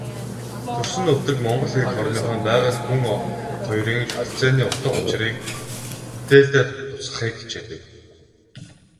Төрсөн нутаг, Монгол эх орныхоо байгаль, хүн хоёрын шүтэлцээний утга учрыг бүтээлдээ тусгахыг хичээдэг.